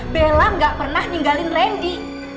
bella tidak pernah meninggalkan randy